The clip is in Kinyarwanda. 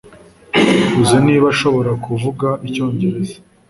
uzi niba ashobora kuvuga icyongereza